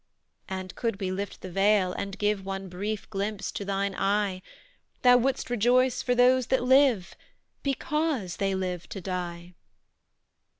"And, could we lift the veil, and give One brief glimpse to thine eye, Thou wouldst rejoice for those that live, BECAUSE they live to die."